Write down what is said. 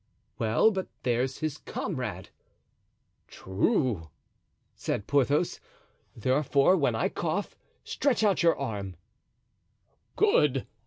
"Well; but there's his comrade." "True," said Porthos. "Therefore, when I cough, stretch out your arm." "Good!"